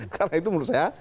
karena itu menurut saya